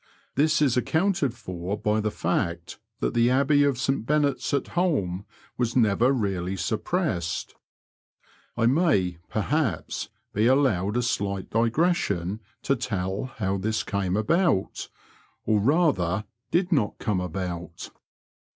This is accounted for by the fact that the Abbey of St Benet's at Holm was neyer really suppressed. I may, per haps, be allowed a slight digression to tell how this came about — or, rather, did not come about.